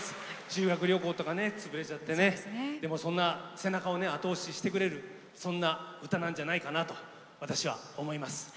修学旅行とか潰れちゃってでも、そんな背中を後押ししてくれるそんな歌なんじゃないかなと私は思います。